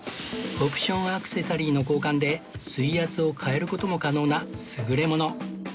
オプションアクセサリーの交換で水圧を変える事も可能な優れもの